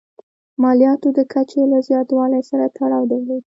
مالیاتو د کچې له زیاتوالي سره تړاو درلود.